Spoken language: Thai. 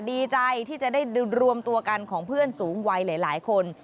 ดีใจที่จะได้รวมตัวกันของเพื่อนสูงวัยหลายคน